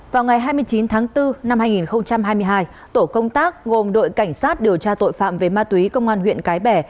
vào ngày hai mươi chín tháng bốn năm hai nghìn hai mươi hai tổ công tác gồm đội cảnh sát điều tra tội phạm về ma túy công an huyện cái bè